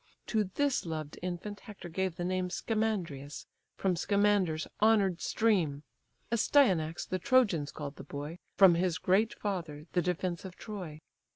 To this loved infant Hector gave the name Scamandrius, from Scamander's honour'd stream; Astyanax the Trojans call'd the boy, From his great father, the defence of Troy.